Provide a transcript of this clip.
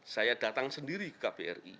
saya datang sendiri ke kbri